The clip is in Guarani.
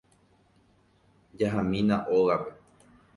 Jahámína ógape.